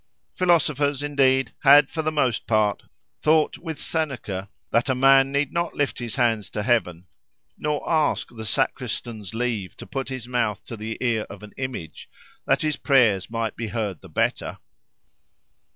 Philosophers, indeed, had, for the most part, thought with Seneca, "that a man need not lift his hands to heaven, nor ask the sacristan's leave to put his mouth to the ear of an image, that his prayers might be heard the better."